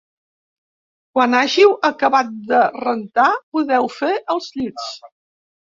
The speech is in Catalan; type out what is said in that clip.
Quan hàgiu acabat de rentar, podeu fer els llits